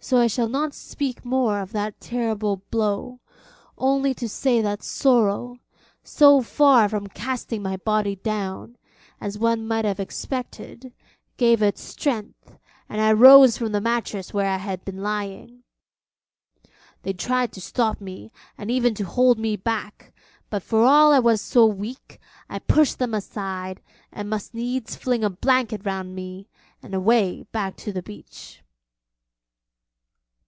So I shall not speak more of that terrible blow, only to say that sorrow, so far from casting my body down, as one might have expected, gave it strength, and I rose up from the mattress where I had been lying. They tried to stop me, and even to hold me back, but for all I was so weak, I pushed them aside and must needs fling a blanket round me and away back to the beach.